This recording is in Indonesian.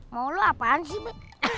mau lo apaan sih bu